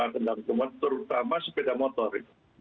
tentang motor terutama sepeda motor